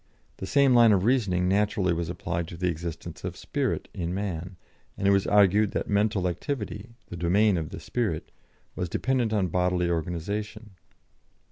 " The same line of reasoning naturally was applied to the existence of "spirit" in man, and it was argued that mental activity, the domain of the "spirit," was dependent on bodily organisation.